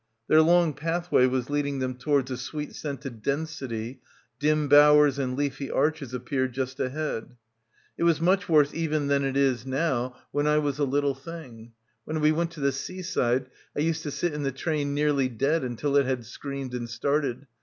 Their long pathway was leading them towards a sweet scented density, dim bowers and leafy arches appeared just ahead. "It was much worse even than it is now when — 256 — BACKWATER I was a little thing. When we went to the sea side I used to sit in the train nearly dead until it had screamed and started.